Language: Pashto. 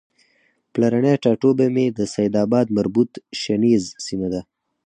پلرنی ټاټوبی مې د سیدآباد مربوط شنیز سیمه ده